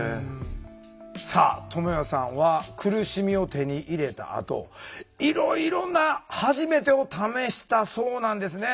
さあともやさんは苦しみを手に入れたあといろいろな「はじめて」を試したそうなんですね。